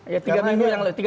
ya tiga minggu